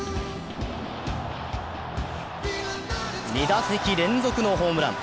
２打席連続のホームラン。